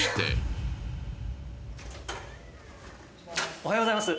おはようございます